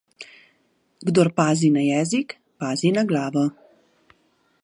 Kdor pazi na jezik, pazi na glavo.